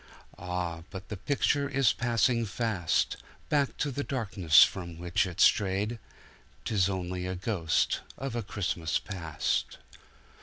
Ah, but the picture is passing fastBack to the darkness from which it strayed— 'Tis only a ghost of a Christmas Past.